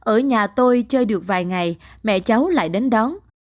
ở nhà tôi chơi được vài ngày mẹ cháu lại đến đón